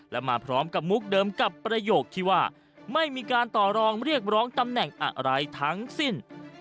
และมาพร้อมกับมุกเดิมกับประโยคที่ว่าไม่มีการต่อรองเรียกร้องตำแหน่งอะไรทั้งสิ้น